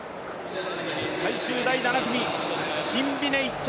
最終第７組、シンビネ１着。